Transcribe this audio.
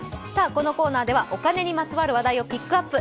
このコーナーではお金にまつわるニュースをピックアップ。